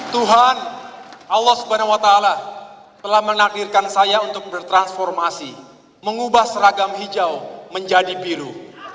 tuhan allah swt telah menakdirkan saya untuk bertransformasi mengubah seragam hijau menjadi biru